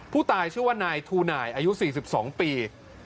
ผู้ตายชื่อว่านายทูหน่ายอายุ๔๒ปี